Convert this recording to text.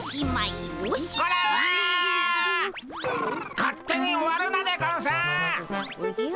勝手に終わるなでゴンスっ！